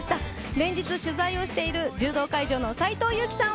連日、取材をしている柔道会場の斎藤佑樹さん